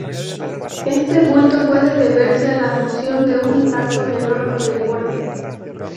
Este bulto puede deberse a la fusión de un impacto menor con el borde.